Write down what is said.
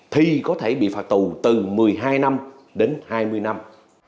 thì có thể bị phạt tù từ một mươi hai năm đến hai mươi năm